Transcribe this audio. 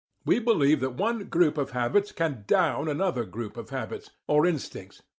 We believe that one group of habits can 'down' another group of habits or instincts.